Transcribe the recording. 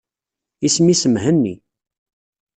Isem-is Mhenni.